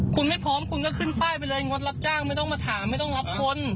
คุณไม่พร้อมคุณก็ขึ้นป้ายไปเลยงดรับจ้างไม่ต้องมาถามไม่ต้องรับคน